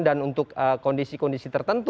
dan untuk kondisi kondisi tertentu